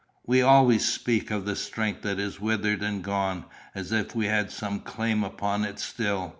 We always speak of the strength that is withered and gone, as if we had some claim upon it still.